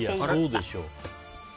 そうでしょ。